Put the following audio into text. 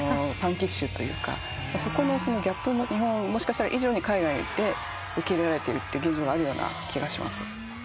そこのギャップももしかしたら日本以上に海外で受け入れられてる現状があるような気がします。